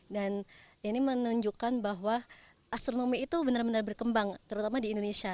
dan ini menunjukkan bahwa astronomi itu benar benar berkembang terutama di indonesia